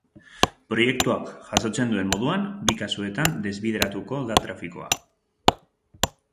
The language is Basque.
Proiektuak jasotzen duen moduan, bi kasuetan desbideratuko da trafikoa.